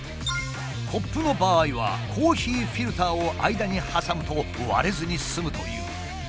コップの場合はコーヒーフィルターを間に挟むと割れずに済むという。